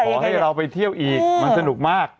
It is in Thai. ขอให้เราไปเที่ยวอีกมันสนุกมาก